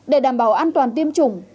để đảm bảo an toàn tiêm chủng